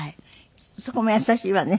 そこも優しいわね